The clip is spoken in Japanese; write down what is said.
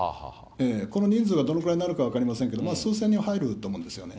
この人数がどのぐらいになるか分かりませんけれども、数千人は入ると思うんですよね。